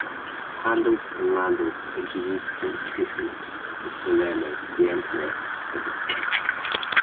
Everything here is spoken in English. Pandulf and Landulf introduced Prince Gisulf of Salerno to the emperor at this time.